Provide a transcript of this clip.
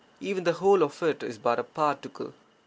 Even the whole of it is but a particle.